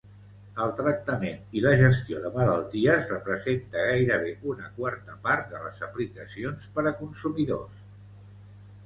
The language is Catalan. El tractament i la gestió de malalties representa gairebé una quarta part de les aplicacions per a consumidors.